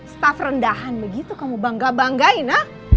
staff rendahan begitu kamu bangga banggain ha